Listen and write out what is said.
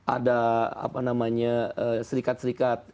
ada apa namanya serikat serikat